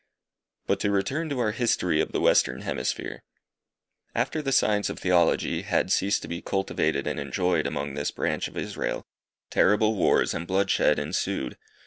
But to return to our history of the western hemisphere. After the science of Theology had ceased to be cultivated and enjoyed among this branch of Israel, terrible wars and bloodshed ensued.